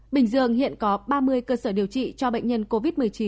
bình dương hiện có ba mươi cơ sở điều trị cho bệnh nhân covid một mươi chín